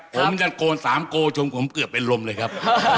ผมจะโกน๓โกจนผมเกือบเป็นลมเลยครับ